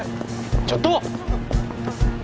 ちょっと！